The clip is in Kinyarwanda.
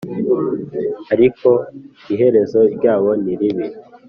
Ariko iherezo ryabo niribi